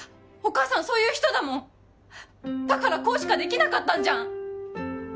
お母さんそういう人だもんだからこうしかできなかったんじゃん！